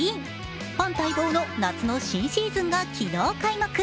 ファン待望の夏の新シーズンが昨日、開幕。